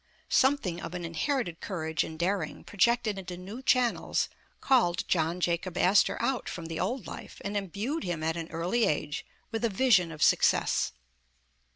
Something of an inherited courage and daring, pro jected into new channels, called John Jacob Astor out from the old life, and imbued him at an early age with a vision of success.